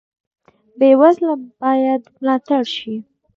بې وزله باید ملاتړ شي